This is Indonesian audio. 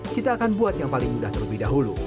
kita akan buat yang paling mudah terlebih dahulu